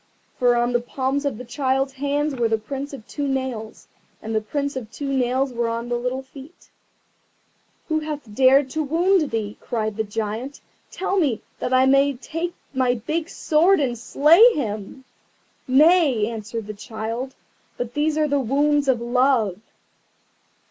For on the palms of the child's hands were the prints of two nails, and the prints of two nails were on the little feet. "Who hath dared to wound thee?" cried the Giant; "tell me, that I may take my big sword and slay him." "Nay!" answered the child; "but these are the wounds of Love."